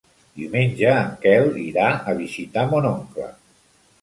Diumenge en Quel irà a visitar mon oncle.